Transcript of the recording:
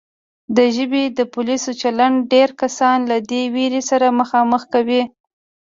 د ژبې د پولیسو چلند ډېر کسان له دې وېرې سره مخامخ کوي